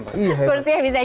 kursinya bisa jalan sendiri